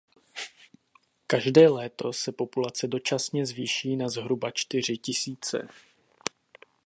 Každé léto se populace dočasně zvýší na zhruba čtyři tisíce.